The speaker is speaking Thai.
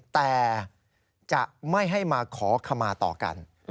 แต่จะไม่ให้มาขอขมาต่อกัน